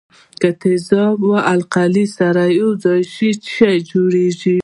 که تیزاب او القلي سره یوځای شي څه کیږي.